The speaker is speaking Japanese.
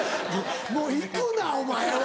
もう行くなお前は！